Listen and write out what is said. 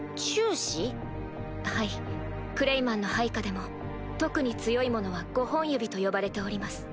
はいクレイマンの配下でも特に強い者は五本指と呼ばれております。